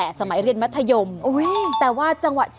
ออกไปแล้วนะคะ